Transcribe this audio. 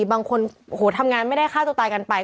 บางคนโอ้โหทำงานไม่ได้ฆ่าตัวตายกันไป